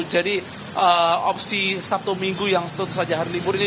jadi opsi sabtu minggu yang seterusnya hari libur ini